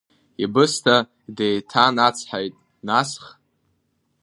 Ибысҭа деиҭанацҳаит, насх…